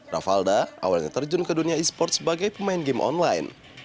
ravalda awalnya terjun ke dunia e sport sebagai pemain game online